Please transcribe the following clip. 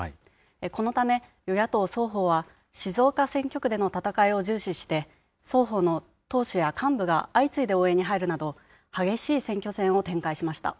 このため、与野党双方は、静岡選挙区での戦いを重視して、双方の党首や幹部が相次いで応援に入るなど、激しい選挙戦を展開しました。